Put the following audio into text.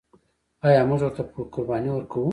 آیا موږ ورته قرباني ورکوو؟